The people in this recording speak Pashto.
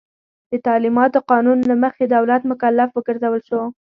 د تعلیماتو قانون له مخې دولت مکلف وګرځول شو.